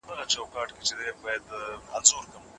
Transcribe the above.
ورور او پلار وژني چي امر د سرکار وي